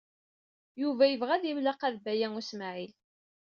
Yuba yebɣa ad imlaqa d Baya U Smaɛil.